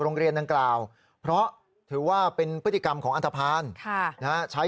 โรงเรียนดังกล่าวเพราะถือว่าเป็นพฤติกรรมของอันทภาณใช้